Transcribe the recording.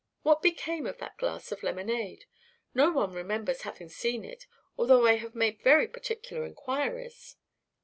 What became of that glass of lemonade? No one remembers having seen it, although I have made very particular inquiries."